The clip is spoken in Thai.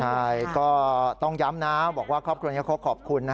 ใช่ก็ต้องย้ำนะบอกว่าครอบครัวนี้เขาขอบคุณนะ